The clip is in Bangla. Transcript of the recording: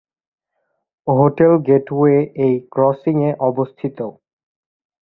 হোটেল গেটওয়ে এই ক্রসিং-এ অবস্থিত।